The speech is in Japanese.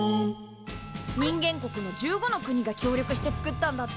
人間国の１５の国が協力してつくったんだって。